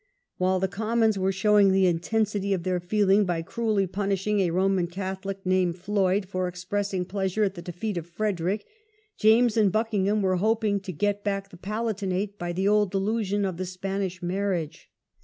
While the Commons were showing the intensity of their feeling by cruelly punishing a Roman Catholic named Floyd for expressing pleasure at the defeat of Frederick, James and Buckingham were hoping to get back the Palatinate by the old delusion of the Spanish marriage.